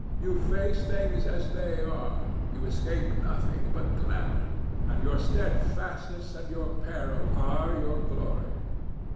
You face things as they are; you escape nothing but glamor; and your steadfastness and your peril are your glory.